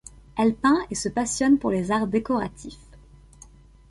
Elle peint et se passionne pour les arts décoratifs.